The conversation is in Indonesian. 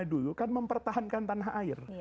dulu kan mempertahankan tanah air